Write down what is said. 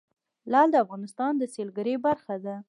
لعل د افغانستان د سیلګرۍ برخه ده.